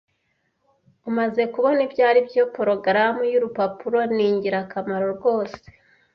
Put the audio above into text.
Umaze kubona ibyaribyo, porogaramu y'urupapuro ni ingirakamaro rwose.